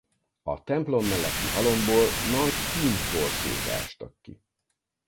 A templom melletti halomból nagy kun korsót ástak ki.